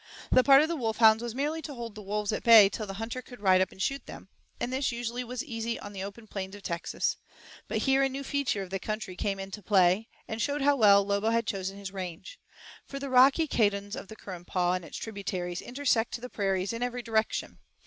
The part of the wolf hounds was merely to hold the wolves at bay till the hunter could ride up and shoot them, and this usually was easy on the open plains of Texas; but here a new feature of the country came into play, and showed how well Lobo had chosen his range; for the rocky canyons of the Currumpaw and its tributaries intersect the prairies in every direction.